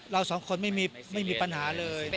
เราสองคนไม่มีปัญหาเลย